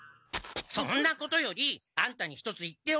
そんなことよりアンタに一つ言っておくことがある！